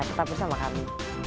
tetap bersama kami